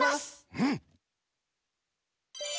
うん！